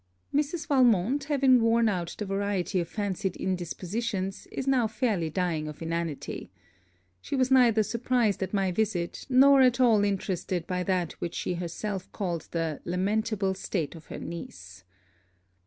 Mrs. Valmont, having worn out the variety of fancied indispositions, is now fairly dying of inanity. She was neither surprised at my visit, nor at all interested by that which she herself called the lamentable state of her niece.